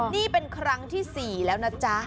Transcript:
นี่เป็นครั้งที่๔แล้วนะจ๊ะ